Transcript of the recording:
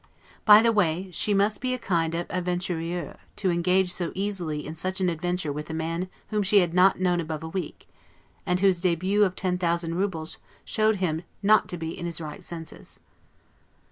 By the way, she must be a kind of 'aventuriere', to engage so easily in such an adventure with a man whom she had not known above a week, and whose 'debut' of 10,000 roubles showed him not to be in his right senses.